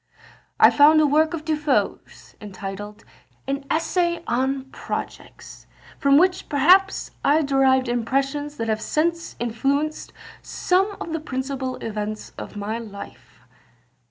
"I found a work of De Foe's, entitled an 'Essay on Projects,' from which perhaps I derived impressions that have since influenced some of the principal events of my life."